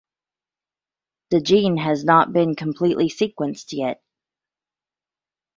The gene has not been completely sequenced yet.